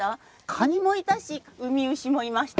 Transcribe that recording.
カニもいたしウミウシもいました。